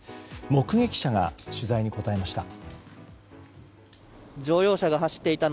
目撃者が取材に答えました。